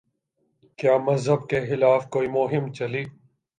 کیا مذہب کے خلاف کوئی مہم چلی؟